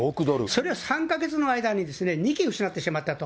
それを３か月の間に２機失ってしまったと。